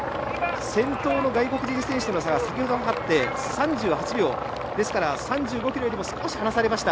先頭の外国人選手との差が先ほどはかって３８秒ですから、３５ｋｍよりも少し離されました、